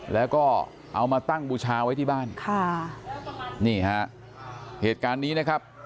แล้วก็เอามาตั้งบูชาไว้ที่บ้านค่ะนี่ฮะเหตุการณ์นี้นะครับ